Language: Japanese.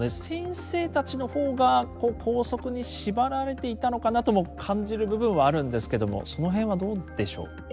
先生たちの方が校則に縛られていたのかなとも感じる部分はあるんですけどもその辺はどうでしょう？